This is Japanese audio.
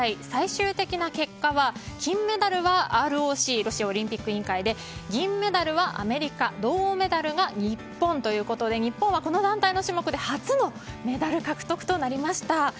最終的な結果は金メダルはＲＯＣ・ロシアオリンピック委員会で銀メダルはアメリカ銅メダルが日本ということで日本は、この団体の種目で初のメダル獲得となりました。